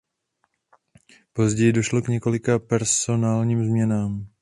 Později došlo k několika personálním změnám.